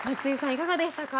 いかがでしたか？